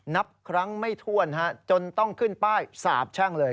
นับครั้งไม่ถ้วนจนต้องขึ้นป้ายสาบแช่งเลย